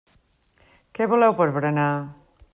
Què voleu per berenar?